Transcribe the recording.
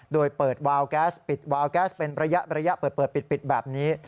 โดยเปิดวาวแก๊สปิดวาวแก๊สเป็นระยะเปิดปิดแบบนี้